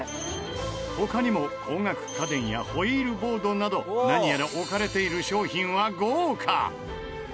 他にも高額家電やホイールボードなど何やら置かれている商品は豪華！